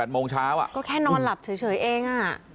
โมงเช้าก็แค่นอนหลับเฉยเอง